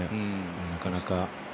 なかなか。